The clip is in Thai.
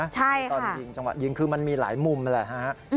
ใช่ค่ะตอนยิงจังหวะยิงคือมันมีหลายมุมเลย